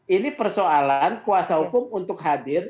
ini persoalan kuasa hukum untuk hadir